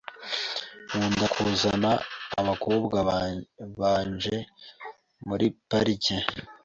Nkunda kuzana abakobwa banje muri parike .